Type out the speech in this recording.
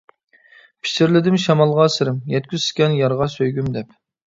پىچىرلىدىم شامالغا سىرىم، يەتكۈزسىكەن يارغا سۆيگۈم دەپ.